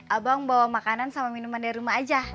abang bawa makanan sama minuman dari rumah aja